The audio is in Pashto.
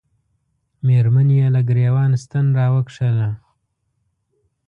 مېرمنې یې له ګرېوان ستن را وکښله.